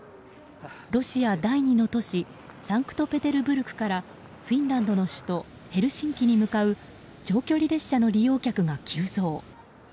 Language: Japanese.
ロシア第２の都市サンクトペテルブルグからフィンランドの首都ヘルシンキに向かう長距離列車の利用客が急増。